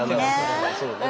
そうね